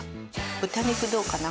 豚肉どうかな？